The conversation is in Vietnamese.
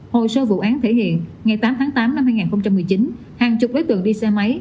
hồ sơ vụ án thể hiện ngày tám tháng tám năm hai nghìn một mươi chín hàng chục đối tượng đi xe máy